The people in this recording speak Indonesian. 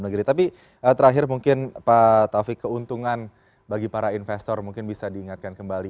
negeri tapi terakhir mungkin pak taufik keuntungan bagi para investor mungkin bisa diingatkan kembali